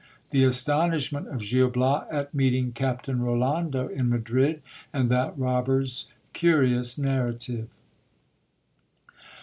— The astonishment of Gil Bias at meeting Captain Rolando in Madrid, and that robber's curious narrative.